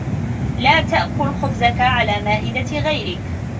لا تأكل خبزك على مائدة غيرك